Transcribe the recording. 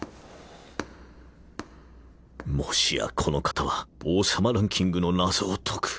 もしやこの方は王様ランキングの謎を解く